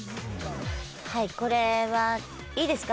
はいこれはいいですか？